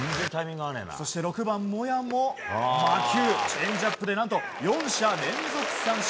そして、６番、モヤも魔球、チェンジアップで４者連続三振。